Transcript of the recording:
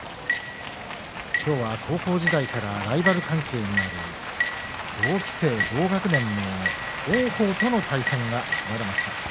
今日は高校時代からライバル関係にある同期生、同学年の王鵬との対戦が組まれました。